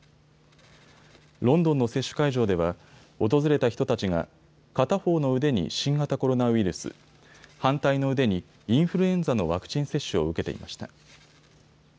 ロンドンの接種会場では訪れた人たちが片方の腕に新型コロナウイルス、反対の腕にインフルエンザのワクチン接種を受けていました。